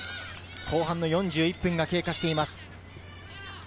後半４１分が経過しています。